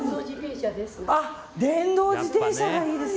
電動自転車がいいです！